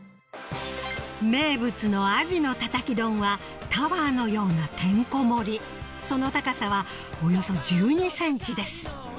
名物の鯵のたたき丼はタワーのようなてんこ盛りその高さはおよそ１２ｃｍです